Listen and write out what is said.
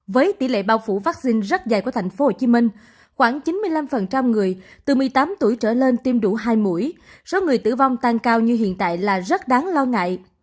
với tỷ lệ bao phủ vaccine rất dày của tp hcm khoảng chín mươi năm người từ một mươi tám tuổi trở lên tiêm đủ hai mũi số người tử vong tăng cao như hiện tại là rất đáng lo ngại